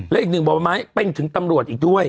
และอีกหนึ่งบ่อไม้เป็นถึงตำรวจอีกด้วย